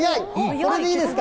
これでいいですか？